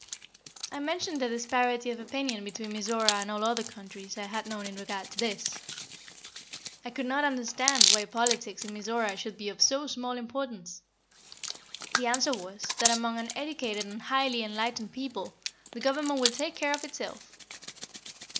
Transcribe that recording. I mentioned the disparity of opinion between Mizora and all other countries I had known in regard to this. I could not understand why politics in Mizora should be of so small importance. The answer was, that among an educated and highly enlightened people, the government will take care of itself.